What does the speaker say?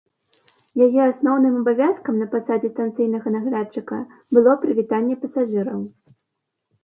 Яе асноўны абавязкам на пасадзе станцыйнага наглядчыка было прывітанне пасажыраў.